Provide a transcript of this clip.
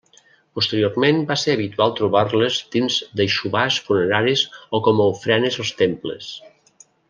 Posteriorment va ser habitual trobar-les dins d'aixovars funeraris o com a ofrenes als temples.